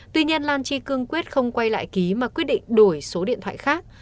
tuy nhiên lan chi cương quyết không quay lại ký mà quyết định đổi số điện thoại khác